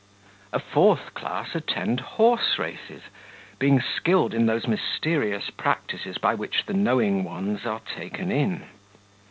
A fourth class attend horse races, being skilled in those mysterious practices by which the knowing ones are taken in.